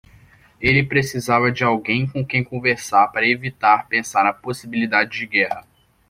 Ele precisava de alguém com quem conversar para evitar pensar na possibilidade de guerra.